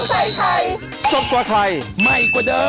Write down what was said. สวัสดีค่ะ